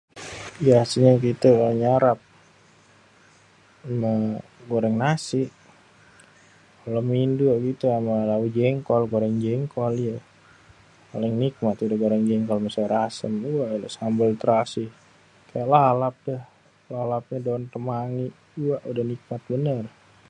Biasenye kite kalo nyarap ya, goreng nasi. Kalo mindo itu, ama lauk jengkol, goreng jengkol. Paling nikmat udeh goreng jengkol sama sayur asem, waileh sambel terasi, sama lalap, deh. Lalapnye daon kemangi, beuhhh udeh nikmat bener.